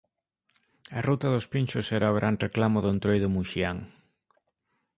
A ruta dos pinchos será o gran reclamo do Entroido muxián.